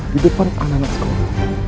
hidup parut anak anak sekolah